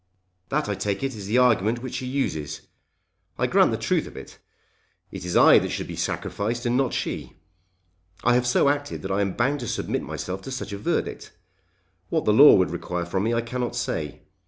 That I take it is the argument which she uses. I grant the truth of it. It is I that should be sacrificed and not she. I have so acted that I am bound to submit myself to such a verdict. What the law would require from me I cannot say.